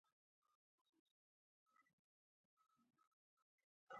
لاسي بتۍ رڼا واچوله.